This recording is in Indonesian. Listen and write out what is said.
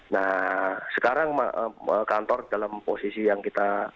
nah sekarang kantor dalam posisi yang kita